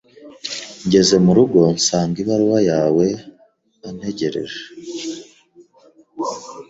Ngeze mu rugo, nsanga ibaruwa yawe antegereje.